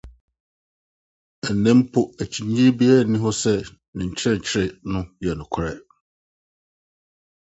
Ɛnnɛ mpo, akyinnye biara nni ho sɛ ne nkyerɛkyerɛ no yɛ nokware.